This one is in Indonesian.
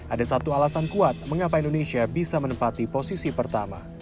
ada satu alasan kuat mengapa indonesia bisa menempati posisi pertama